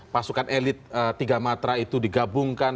pasukan elit tiga matra itu digabungkan